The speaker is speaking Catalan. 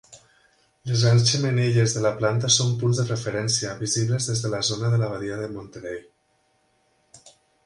Les grans xemeneies de la planta són punts de referència, visibles des de la zona de la badia de Monterey.